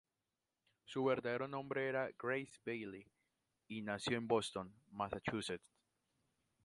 Su verdadero nombre era Grace Bailey, y nació en Boston, Massachusetts.